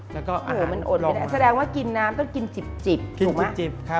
แล้วก็อาหารปลอดภัย